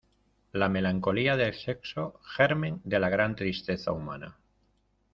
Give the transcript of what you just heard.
la melancolía del sexo, germen de la gran tristeza humana.